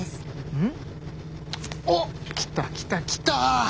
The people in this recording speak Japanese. うん？おっ来た来た来た！